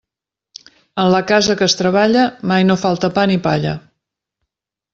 En la casa que es treballa, mai no falta pa ni palla.